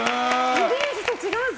イメージと違うぞ！